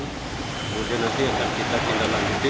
kemudian nanti akan kita tindak lanjuti